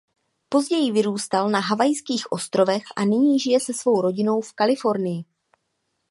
Později vyrůstal na Havajských ostrovech a nyní žije se svou rodinou v Kalifornii.